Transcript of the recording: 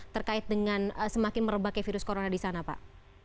terkait dengan semakin merebaknya virus corona di sana pak